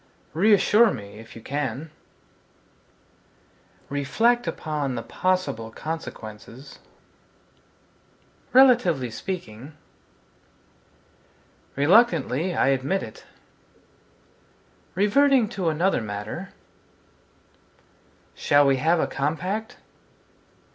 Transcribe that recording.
Reassure me, if you can Reflect upon the possible consequences Relatively speaking Reluctantly I admit it Reverting to another matter S Shall we have a compact?